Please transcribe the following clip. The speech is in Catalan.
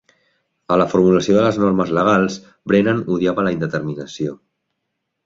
A la formulació de les normes legals, Brennan odiava la indeterminació.